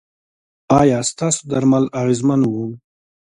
ایا ستاسو درمل اغیزمن وو؟